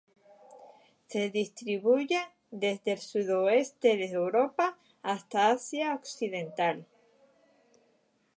Se distribuyen desde el sudoeste de Europa hasta Asia occidental.